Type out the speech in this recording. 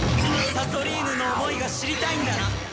サソリーヌの思いが知りたいんだな？